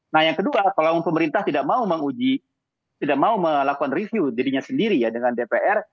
nah yang kedua kalau pemerintah tidak mau menguji tidak mau melakukan review dirinya sendiri ya dengan dpr